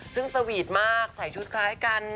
ซึ่งสวีทมากใส่ชุดคล้ายกัน